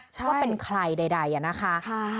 ว่าเป็นใครใดนะคะ